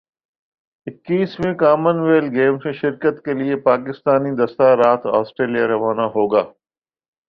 اکیسویں commonwealth games میں شرکت کے لئے پاکستانی دستہ رات سٹریلیا روانہ ہو گا